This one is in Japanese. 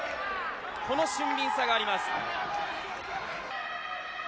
この俊敏さがあります。